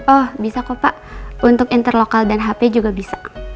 oh bisa kok pak untuk interlokal dan hp juga bisa